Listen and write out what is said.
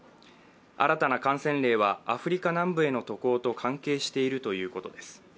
新たな感染例はアフリカ南部への渡航と関係しているということです。